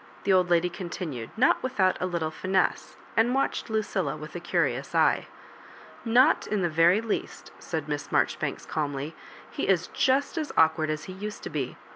the old lady continued, not without a little fitiewe, and watching Lucilla with a curious eye. "Not in the very least," said Miss Marjori banks, calmly; " he is just as awkward as he used to be.